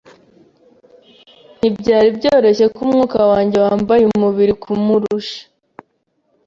Ntibyari byoroshye ko umwuka wanjye wambaye umubiri kumurusha